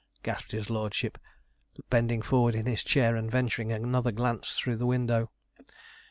gasped his lordship, bending forward in his chair, and venturing another glance through the window.